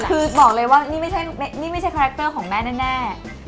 คือบอกเลยว่านี่ไม่ใช่คาแรคเตอร์ของแม่แน่